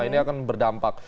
ini akan berdampak